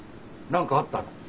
何かあったの？